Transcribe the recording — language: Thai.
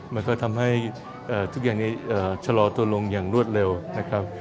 มันก็ทำให้ทุกอย่างนี้ชะลอตัวลงอย่างรวดเร็วนะครับ